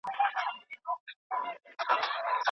ایا تا د دې شاعر کلام په سمه توګه څېړلی دی؟